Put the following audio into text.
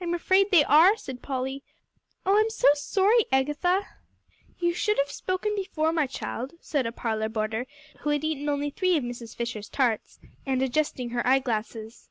"I'm afraid they are," said Polly; "oh, I'm so sorry, Agatha!" "You should have spoken before, my child," said a parlor boarder, who had eaten only three of Mrs. Fisher's tarts, and adjusting her eyeglasses.